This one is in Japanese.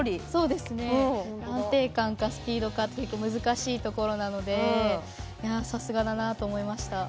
安定感かスピードか結構難しいところなのでさすがだなと思いました。